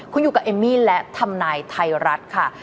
คุณอยู่กับเอมมี่และทำนายไทยรัฐค่ะ